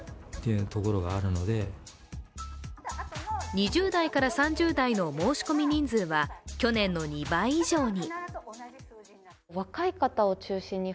２０代から３０代の申し込み人数は去年の２倍以上に。